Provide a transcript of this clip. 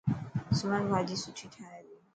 سمن ڀاڄي سٺي ٺاهي تي.